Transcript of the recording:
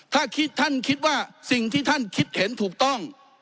ถ้าคิดท่านคิดว่าสิ่งที่ท่านคิดเห็นถูกต้อง